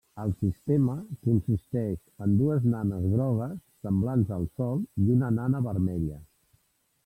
El sistema consisteix en dues nanes grogues, semblants al Sol, i una nana vermella.